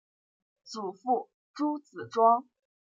祖父朱子庄。